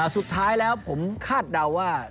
สุดท้ายแล้วผมคาดเดาว่า